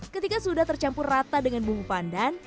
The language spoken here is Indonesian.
ketika sudah tercampur rata dengan bumbu pandan